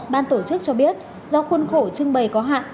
ban tổ chức cho biết do khuôn khổ trưng bày có hạn